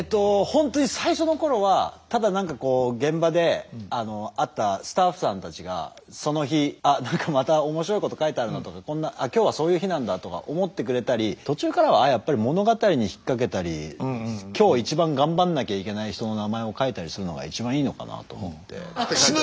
本当に最初の頃はただ何かこう現場で会ったスタッフさんたちがその日「あっ何かまた面白いこと書いてあるな」とか「今日はそういう日なんだ」とか思ってくれたり途中からはやっぱり物語に引っ掛けたり今日一番頑張んなきゃいけない人の名前を書いたりするのが一番いいのかなと思って。